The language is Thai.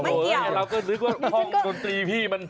เราก็นึกว่าห้องกดตรีพี่มัน